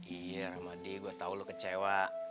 iya ramadi gue tau lu kecewa